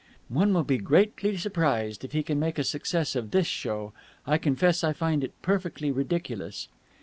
"One will be greatly surprised if he can make a success of this show! I confess I find it perfectly ridiculous."